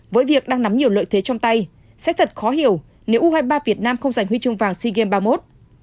với việc đang nắm nhiều lợi thế trong tay sẽ thật khó hiểu nếu u hai mươi ba việt nam không giành huy chương vàng sea games ba mươi một